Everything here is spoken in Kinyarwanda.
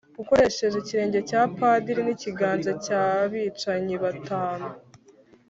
ukoresheje ikirenge cya padiri nikiganza cyabicanyi batanu